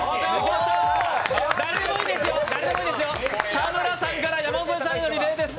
田村さんから、山添さんへのリレーです